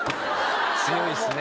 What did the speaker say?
強いっすね。